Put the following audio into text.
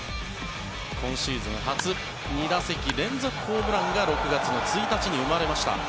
今シーズン初２打席連続ホームランが６月の１日に生まれました。